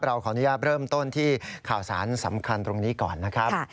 ขออนุญาตเริ่มต้นที่ข่าวสารสำคัญตรงนี้ก่อนนะครับ